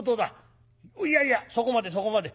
いやいやそこまでそこまで。